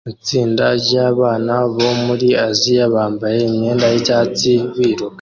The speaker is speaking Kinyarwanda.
Itsinda ryabana bo muri Aziya bambaye imyenda yicyatsi biruka